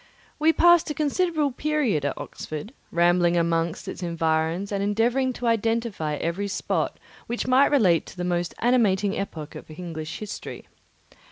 We passed a considerable period at Oxford, rambling among its environs and endeavouring to identify every spot which might relate to the most animating epoch of English history.